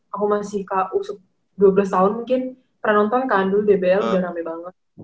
aku masih dua belas tahun mungkin pernah nonton kan dulu dbl udah rame banget